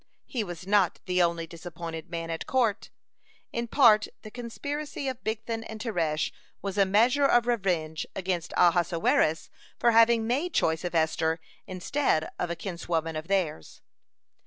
(97) He was not the only disappointed man at court. In part the conspiracy of Bigthan and Teresh was a measure of revenge against Ahasuerus for having made choice of Esther instead of a kinswoman of theirs.